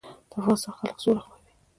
د افغانستان خلک سوله خوښوي